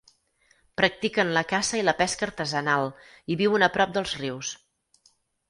Practiquen la caça i la pesca artesanal, i viuen a prop dels rius.